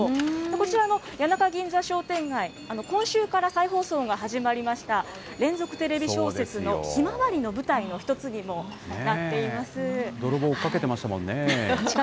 こちらの谷中銀座商店街、今週から再放送が始まりました、連続テレビ小説のひまわりの舞台の１つにもなっています。